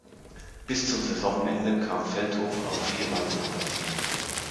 Bis zum Saisonende kam Feldhoff auf vier weitere Partien.